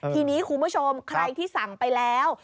ทีนี้คุณผู้ชมใครที่สั่งไปแล้ว